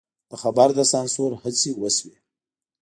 د خبر د سانسور هڅې وشوې.